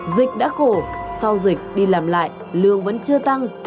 dịch đã khổ sau dịch đi làm lại lương vẫn chưa tăng